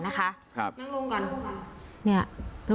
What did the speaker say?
นมลงกัน